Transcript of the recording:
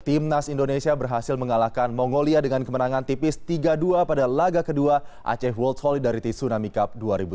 timnas indonesia berhasil mengalahkan mongolia dengan kemenangan tipis tiga dua pada laga kedua aceh world solidarity tsunami cup dua ribu tujuh belas